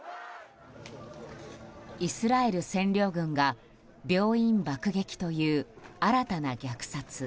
イスラエル占領軍が病院爆撃という新たな虐殺。